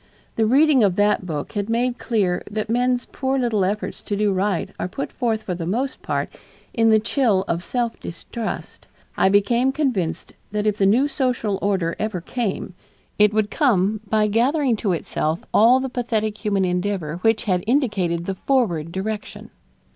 The reading of that book had made clear that men's poor little efforts to do right are put forth for the most part in the chill of self distrust; I became convinced that if the new social order ever came, it would come by gathering to itself all the pathetic human endeavor which had indicated the forward direction.